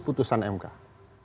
tapi mungkin tidak tepat figur ini